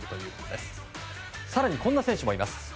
更にこんな選手もいます。